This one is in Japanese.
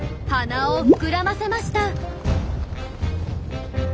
鼻を膨らませました。